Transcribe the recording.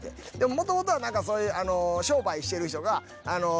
もともとは何かそういう商売してる人が「旦那さん」。